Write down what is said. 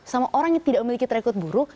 sama orang yang tidak memiliki track red buruk